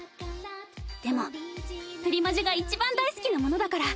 でもプリマジがいちばん大好きなものだから！